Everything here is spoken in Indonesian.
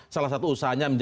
salah satu usahanya